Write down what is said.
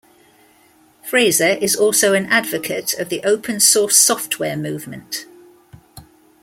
Frazer is also an advocate of the open source software movement.